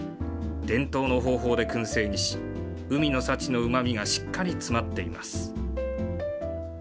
伝統の方法でくん製にし、海の幸のうまみがしっかり詰まっています。